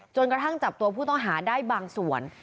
กระทั่งจับตัวผู้ต้องหาได้บางส่วน